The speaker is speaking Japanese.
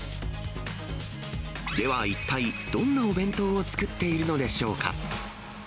では一体、どんなお弁当を作っているのでしょうか。